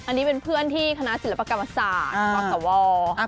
อันนี้เป็นเพื่อนที่คณะศิลปกรรมศาสตร์กศว